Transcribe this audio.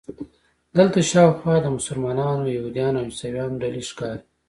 دلته شاوخوا د مسلمانانو، یهودانو او عیسویانو ډلې ښکاري.